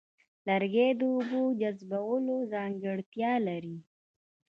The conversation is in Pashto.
لرګي د اوبو جذبولو ځانګړتیا لري.